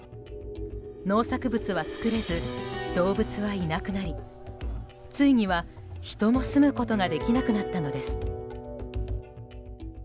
農作物は作れず動物はいなくなりついには人も住むことができなくなったのです。